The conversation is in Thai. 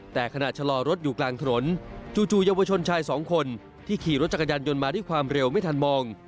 แต่ขณะชะลอรถอยู่กลางถนนจู่เยาวชนชายสองคนที่ขี่รถจักรยานยนต์มาด้วยความเร็วไม่ทันมอง